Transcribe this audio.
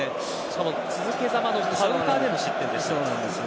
続けざまのカウンターでの失点でした。